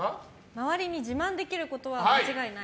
周りに自慢できることは間違いない。